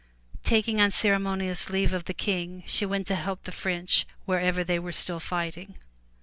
Taking unceremonious leave of the King, she went to help the French wherever they were still fighting.